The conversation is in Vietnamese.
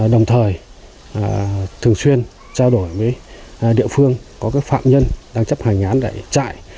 đồng thời thường xuyên trao đổi với địa phương có các phạm nhân đang chấp hành án để chạy